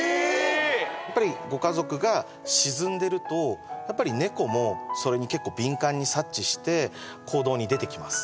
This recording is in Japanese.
やっぱりご家族が沈んでるとやっぱり猫もそれに結構敏感に察知して行動に出てきます